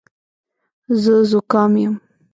زه زوکام یم